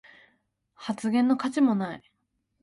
発言の価値もない